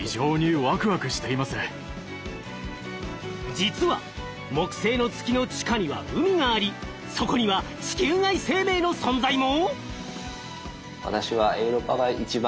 実は木星の月の地下には海がありそこには地球外生命の存在も！？